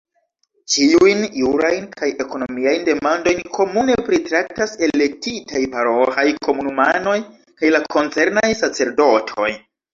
Ĉiujn jurajn kaj ekonomiajn demandojn komune pritraktas elektitaj paroĥaj komunumanoj kaj la koncernaj sacerdotoj.